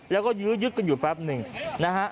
แล้วก็ยื้อยึดกันอยู่แป๊บหนึ่งนะฮะ